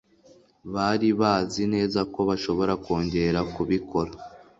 Bari bazi neza ko bashobora kongera kubikora.